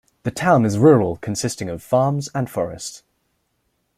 The town is rural, consisting of farms and forest.